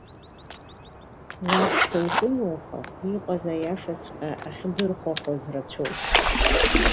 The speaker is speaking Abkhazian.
Уаԥхьо уҿыноухар, иҟаз аиашаҵәҟьа ахьдырхәахәаз рацәоуп.